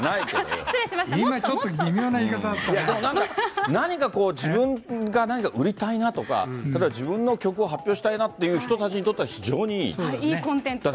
今ちょっと、微妙な言い方だなんか、何か自分が何か売りたいなとか、例えば自分の曲を発表したいなという人たちにとっていいコンテンツだと。